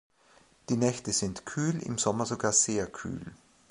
Die Nächte sind kühl, im Sommer sogar sehr kühl.